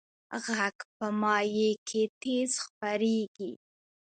غږ په مایع کې تیز خپرېږي.